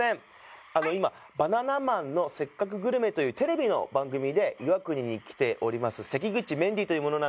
あの今「バナナマンのせっかくグルメ！！」というテレビの番組で岩国に来ております